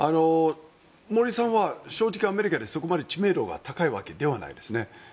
森さんは正直アメリカでそこまで知名度が高いわけではないですね。